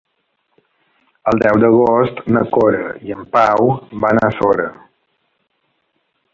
El deu d'agost na Cora i en Pau van a Sora.